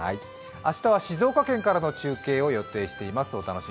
明日は静岡県からの中継を予定しています。